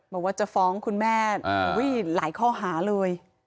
บอกว่าจะฟ้องคุณแม่หลายข้อหาเลย